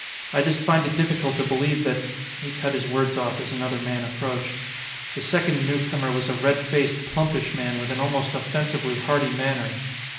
"I just find it difficult to believe that " He cut his words off as another man approached. The second newcomer was a red faced, plumpish man with an almost offensively hearty manner.